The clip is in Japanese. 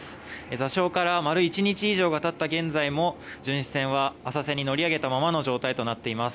座礁から丸１日以上がたった現在も巡視船は浅瀬に乗り上げたままの状態となっています。